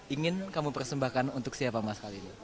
ingin kamu persembahkan untuk siapa mas kali ini